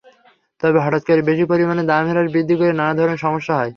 তবে হঠাৎ করে বেশি পরিমাণে দাম হ্রাস-বৃদ্ধি করলে নানা ধরনের সমস্যা হয়।